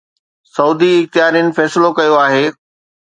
سعودي اختيارين فيصلو ڪيو آهي